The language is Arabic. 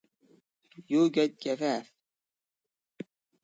يوجد جفاف.